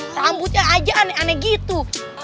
sambutnya aja aneh aneh gitu